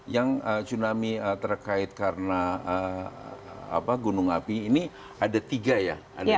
yang tsunami terkait karena gunung api ini ada tiga ya